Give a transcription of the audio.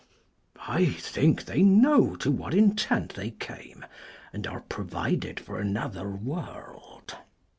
I think, they know to what intent they came, And are provided for another world.